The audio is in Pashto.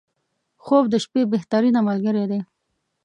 • خوب د شپې بهترینه ملګری دی.